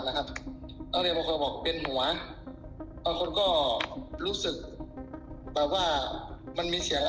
แล้วครับนักเรียนบางคนบอกเป็นหัวบางคนก็รู้สึกแบบว่ามันมีเสียง